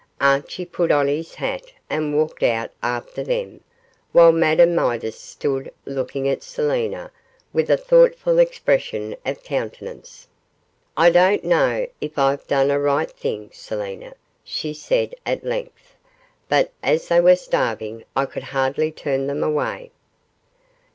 Archie put on his hat and walked out after them, while Madame Midas stood looking at Selina with a thoughtful expression of countenance. 'I don't know if I've done a right thing, Selina,' she said, at length; 'but as they were starving I could hardly turn them away.